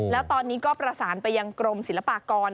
แล้วตอนนี้ก็ประสานไปยังกรมศิลปากร